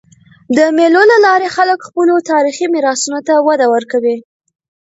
د مېلو له لاري خلک خپلو تاریخي میراثونو ته وده ورکوي.